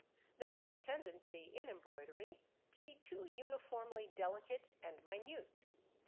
There is a tendency in embroidery to be too uniformly delicate and minute.